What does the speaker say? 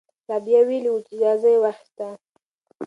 رابعه ویلي وو چې اجازه یې واخیسته.